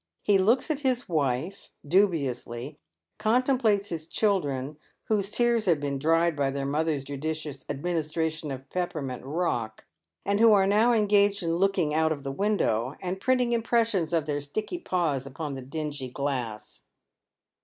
He looks at his wife dubiously, contemplates his children, whose tears have been dried by their mother's judicious administration of peppermint rock, and who are now engaged in looking out of the window, and printing impressions of their sticky paws upon the dingy glass.